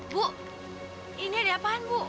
bu ini ada apaan bu